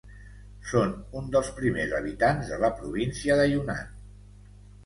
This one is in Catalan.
Són uns dels primers habitants de la província de Yunnan.